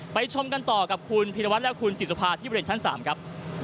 ชมกันต่อกับคุณพิรวัตรและคุณจิตสุภาที่บริเวณชั้น๓ครับ